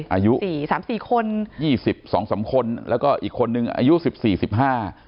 อายุสี่สามสี่คนยี่สิบสองสามคนแล้วก็อีกคนนึงอายุสิบสี่สิบห้า